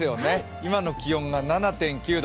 今の気温が７．９度。